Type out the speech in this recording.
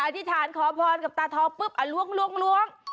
อธิษฐานขอพรกับตาทองปุ๊บล้วง